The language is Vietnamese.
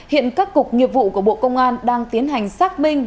hiện các cục nghiệp vụ của bộ công an đang tiến hành xác minh